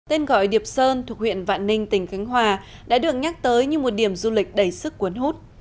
tên gọi điệp sơn thuộc huyện vạn ninh tỉnh khánh hòa đã được nhắc tới như một điểm du lịch đầy sức cuốn hút